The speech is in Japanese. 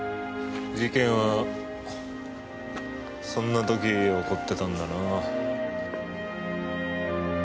事件はそんな時起こってたんだな。